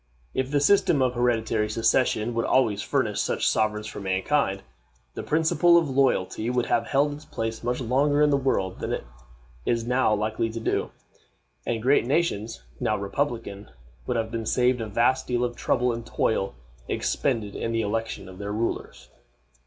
If the system of hereditary succession would always furnish such sovereigns for mankind, the principle of loyalty would have held its place much longer in the world than it is now likely to do, and great nations, now republican, would have been saved a vast deal of trouble and toil expended in the election of their rulers.